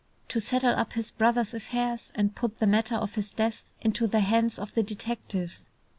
"To settle up his brother's affairs, and put the matter of his death into the hands of the detectives."